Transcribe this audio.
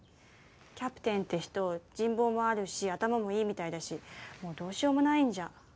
キャプテンって人人望もあるし頭もいいみたいだしもうどうしようもないんじゃ。